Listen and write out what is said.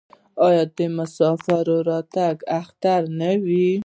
آیا د مسافر راتګ اختر نه وي؟